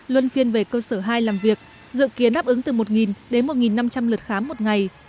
luân phiên về cơ sở hai làm việc dự kiến đáp ứng từ một đến một năm trăm linh lượt khám một ngày